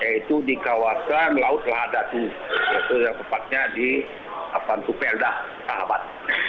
itu di kawasan laut ladaku itu yang tepatnya di tupeldah sahabat